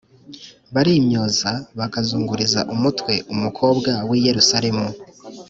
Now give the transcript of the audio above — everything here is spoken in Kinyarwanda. Barimyoza bakazunguriza umutwe umukobwa w’i Yerusalemu